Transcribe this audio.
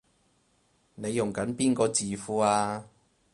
你用緊邊個字庫啊？